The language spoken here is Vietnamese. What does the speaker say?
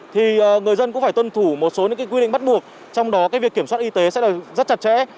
thì người dân cũng phải tuân thủ một số những quy định bắt buộc trong đó cái việc kiểm soát y tế sẽ rất chặt chẽ